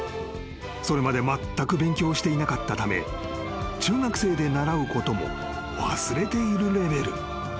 ［それまでまったく勉強していなかったため中学生で習うことも忘れているレベル］